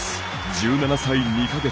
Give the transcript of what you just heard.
１７歳２か月。